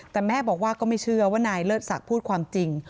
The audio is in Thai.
แต่แม่บอกว่าก็ไม่เชื่อว่านายเลิศศักดิ์พูดความจริง